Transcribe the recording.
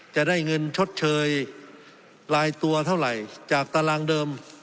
จะได้เงินชดเชยลายตัวเท่าไหร่จากตารางเดิม